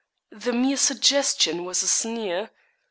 The mere suggestion was a sneer.